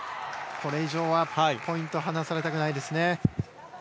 これ以上はポイント離されたくないです。